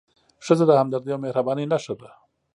ښځه د همدردۍ او مهربانۍ نښه ده.